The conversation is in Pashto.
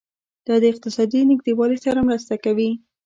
دا د اقتصادي نږدیوالي سره مرسته کوي.